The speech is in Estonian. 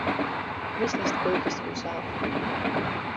Mis neist kõigist küll saab?